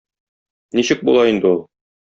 Ничек була инде ул?